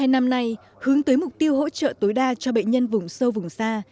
năm nay hướng tới mục tiêu hỗ trợ tối đa cho bệnh nhân vùng sâu vùng xa